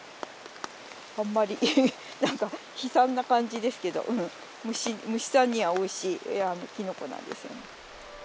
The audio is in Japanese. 何か悲惨な感じですけど虫さんにはおいしいきのこなんですよね。